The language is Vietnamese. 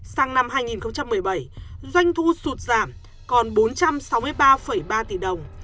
sang năm hai nghìn một mươi bảy doanh thu sụt giảm còn bốn trăm sáu mươi ba ba tỷ đồng